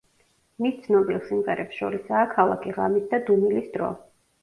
მის ცნობილ სიმღერებს შორისაა „ქალაქი ღამით“ და „დუმილის დრო“.